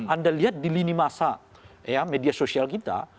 anda lihat di lini masa media sosial kita